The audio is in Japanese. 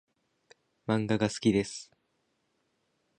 漫画が好きです。